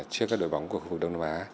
trước các đội bóng của hồ đông đông á